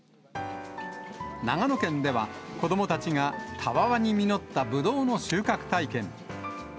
長野県では、子どもたちがたわわに実ったブドウの収穫体験。